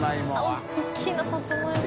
大きなサツマイモ。